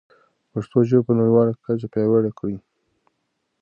پښتو ژبه په نړیواله کچه پیاوړې کړئ.